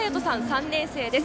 ３年生です。